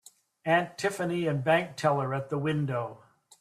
Aunt Tiffany and bank teller at the window.